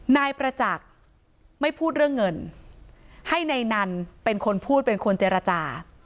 นายประจักษ์ไม่พูดเรื่องเงินให้นายนันเป็นคนพูดเป็นคนเจรจา